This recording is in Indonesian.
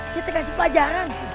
kita kasih pelajaran